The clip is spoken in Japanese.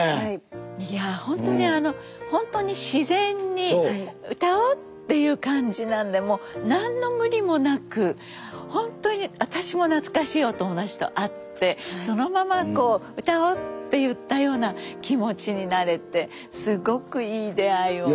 いやほんとにあのほんとに自然に「歌おう」っていう感じなんでもう何の無理もなくほんとに私も懐かしいお友達と会ってそのままこう「歌おう」って言ったような気持ちになれてすごくいい出会いを頂いたと。